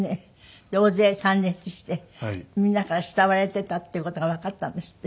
大勢参列してみんなから慕われていたっていう事がわかったんですって？